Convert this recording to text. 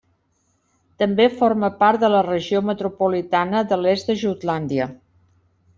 També forma part de la Regió metropolitana de l'est de Jutlàndia.